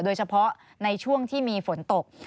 โดยเฉพาะในช่วงที่มีฝนตก